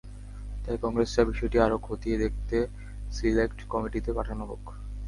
তাই কংগ্রেস চায়, বিষয়টি আরও খতিয়ে দেখতে সিলেক্ট কমিটিতে পাঠানো হোক।